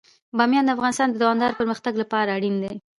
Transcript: بامیان د افغانستان د دوامداره پرمختګ لپاره اړین دي.